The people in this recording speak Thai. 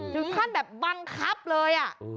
ถึงขั้นแบบบังคับเลย